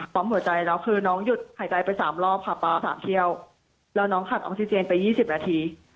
หัวใจแล้วคือน้องหยุดหายใจไปสามรอบค่ะป๊าสามเที่ยวแล้วน้องขาดออกซิเจนไป๒๐นาที